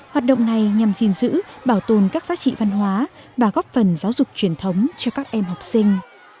hoạt động này nhằm gìn giữ bảo tồn các giá trị văn hóa và góp phần giáo dục truyền thống cho các em học sinh